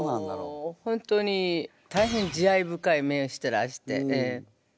本当に大変慈愛深い目してらして。